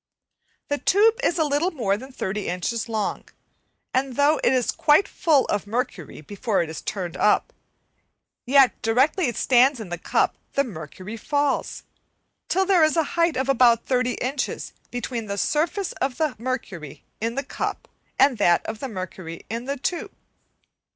The tube is a little more than 30 inches long, and though it is quite full of mercury before it is turned up, yet directly it stands in the cup the mercury falls, till there is a height of about 30 inches between the surface of the mercury in the cup, and that of the mercury in the tube.